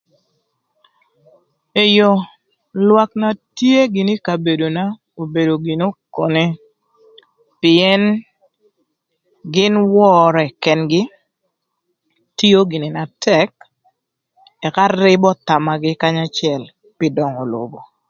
Eyo, lwak na tye gïnï ï kabedona obedo gïnï okone pïën gïn wörë kën-gï, tio gïnï na tëk, ëka rïbö thamagï kanya acël pï döngö lobo.